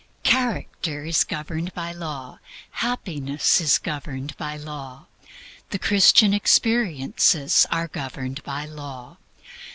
Character is governed by law. Happiness is governed by law. The Christian experiences are governed by law.